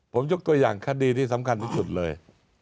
ผมยกตัวอย่างคดีที่สำคัญที่สุดเลย